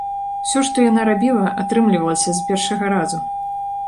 Усё, што яна рабіла, атрымлівалася з першага разу.